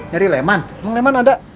nyari leman emang leman ada